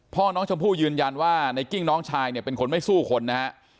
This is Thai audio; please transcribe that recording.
พ่อน้องชมพู่ยืนยันว่าในกิ้งน้องชายเนี่ยเป็นคนไม่สู้คนนะฮะ